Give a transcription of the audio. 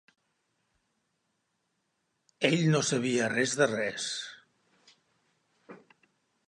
Ell no sabia res de res